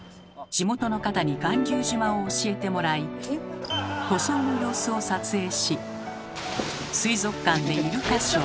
地元の方に巌流島を教えてもらい塗装の様子を撮影し水族館でイルカショー。